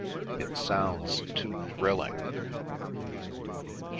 It sounds too thrilling."